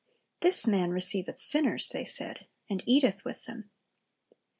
"This man receiveth sinners," they said, "and eateth with them."